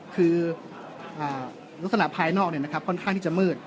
คืออ่าลักษณะภายนอกเนี่ยนะครับค่อนข้างที่จะมืด